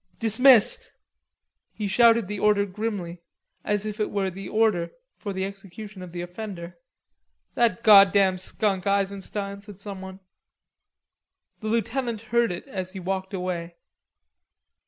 Dismissed!" He shouted the order grimly, as if it were the order for the execution of the offender. "That goddam skunk Eisenstein," said someone. The lieutenant heard it as he walked away.